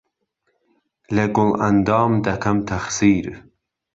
له گوڵئەندام دهکهم تهخسير